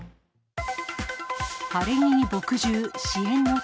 晴れ着に墨汁、支援の手。